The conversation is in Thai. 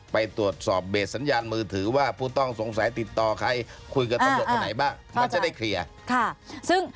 ไปตรวจสอบเบสสัญญาณมือถือว่าผู้ต้องติดต่อใครคุยกับตำรวจแบบไหนบ้าง